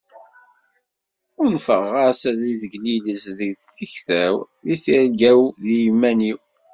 Unfeɣ-as ad teglilez deg tikta-w, deg tirga-w d yiman-iw.